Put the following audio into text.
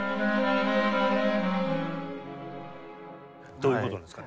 どういう事なんですか？